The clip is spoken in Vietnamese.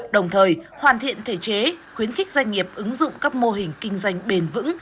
đồng thời hoàn thiện thể chế khuyến khích doanh nghiệp ứng dụng các mô hình kinh doanh bền vững